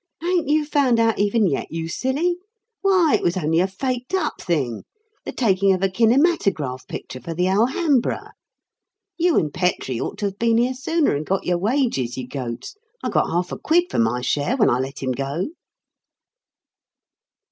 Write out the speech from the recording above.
"Ain't you found out even yet, you silly? Why, it was only a faked up thing the taking of a kinematograph picture for the Alhambra. You and Petrie ought to have been here sooner and got your wages, you goats. I got half a quid for my share when I let him go."